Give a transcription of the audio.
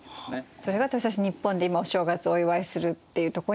それが私たち日本で今お正月をお祝いするっていうとこにも。